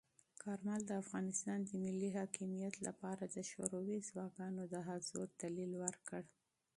کارمل د افغانستان د ملی حاکمیت لپاره د شوروي ځواکونو د حضور دلیل ورکړ.